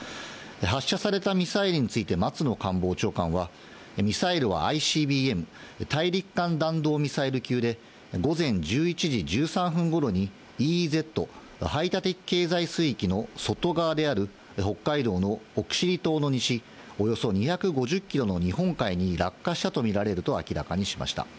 発射されたミサイルについて松野官房長官は、ミサイルはＩＣＢＭ・大陸間弾道ミサイル級で、午前１１時１３分ごろで、ＥＥＺ・排他的経済水域の外側である北海道の奥尻島の西、およそ２５０キロの日本海に落下したと見られると明らかにしました。